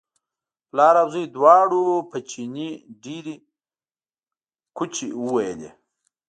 پلار او زوی دواړو په چیني ډېرې کوچې وویلې.